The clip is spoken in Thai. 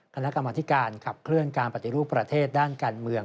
คณะกรรมธิการขับเคลื่อนการปฏิรูปประเทศด้านการเมือง